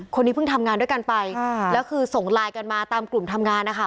คนนี้เพิ่งทำงานด้วยกันไปแล้วคือส่งไลน์กันมาตามกลุ่มทำงานนะคะ